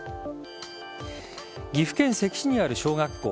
岐阜県関市にある小学校。